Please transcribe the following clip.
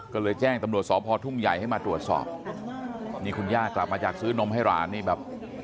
ก็เลยแจ้งตำรวจสพทุ่งใหญ่ให้มาตรวจสอบนี่คุณย่ากลับมาจากซื้อนมให้หลานนี่แบบ